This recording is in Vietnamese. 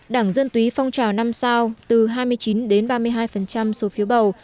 đảng dân túy phong trào năm sao từ hai mươi chín ba mươi hai năm số phiếu bầu